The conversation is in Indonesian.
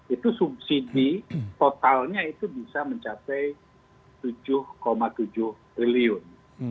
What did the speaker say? itu subsidi totalnya itu bisa mencapai tujuh tujuh triliun